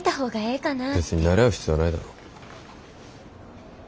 別になれ合う必要はないだろ。